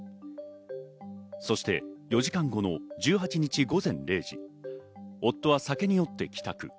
そして４時間後の１８日午前０時、夫は酒に酔って帰宅。